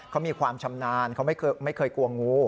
เขามีความชำนาญเขาไม่เคยกลัวงู